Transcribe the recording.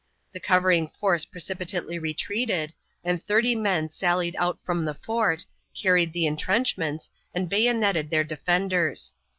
The covering force precipitately retreated, and 30 men sallied out from the fort, carried the intrenchments, and bayoneted their defenders.